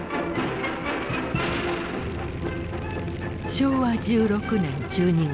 昭和１６年１２月。